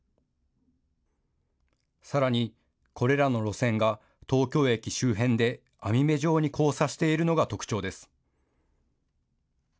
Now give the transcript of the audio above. さらに、これらの路線が東京駅周辺で網目状に交差しているのが特徴です。